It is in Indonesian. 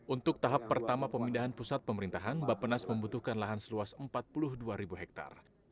untuk tahap pertama pemindahan pusat pemerintahan bapenas membutuhkan lahan seluas empat puluh dua ribu hektare